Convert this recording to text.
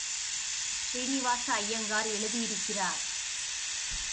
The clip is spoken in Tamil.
ஸ்ரீனிவாச ஐயங்கார் எழுதியிருக்கிறார்.